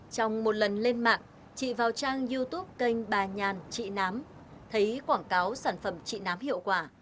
trong một lần lên mạng chị vào trang youtube kênh bà nhàn trị nám thấy quảng cáo sản phẩm trị nám hiệu quả